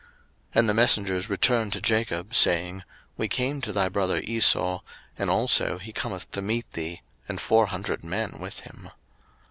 01:032:006 And the messengers returned to Jacob, saying, We came to thy brother Esau, and also he cometh to meet thee, and four hundred men with him.